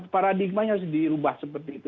paradigmanya harus dirubah seperti itu